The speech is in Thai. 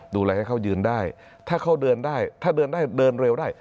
ดูแลให้เขายืนได้ถ้าเขาเดินได้เดินเร็วได้